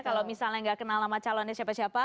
kalau misalnya nggak kenal sama calonnya siapa siapa